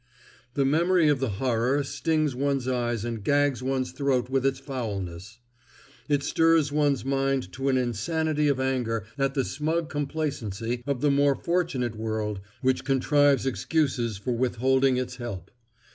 The memory of the horror stings one's eyes and gags one's throat with its foulness. It stirs one's mind to an insanity of anger at the smug complacency of the more fortunate world which contrives excuses for withholding its help.